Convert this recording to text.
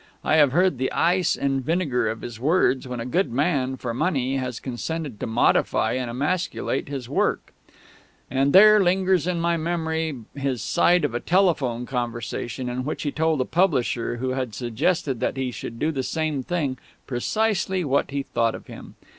I have heard the ice and vinegar of his words when a good man, for money, has consented to modify and emasculate his work; and there lingers in my memory his side of a telephone conversation in which he told a publisher who had suggested that he should do the same thing precisely what he thought of him.